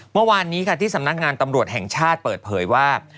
เมื่อวานนี้ค่ะที่สำนักงานตำรวจแห่งชาติเปิดเผยว่า